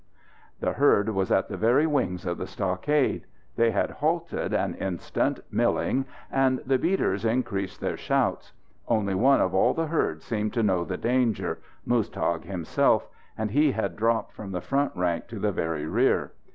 _" The herd was at the very wings of the stockade. They had halted an instant, milling, and the beaters increased their shouts. Only one of all the herd seemed to know the danger Muztagh himself, and he had dropped from the front rank to the very rear.